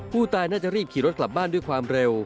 ผู้ตายน่าจะรีบขี่รถกลับบ้านด้วยความเร็ว